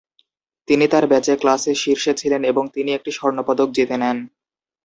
তিনি তার ব্যাচে ক্লাসে শীর্ষে ছিলেন এবং তিনি একটি স্বর্ণপদক জিতে নেন।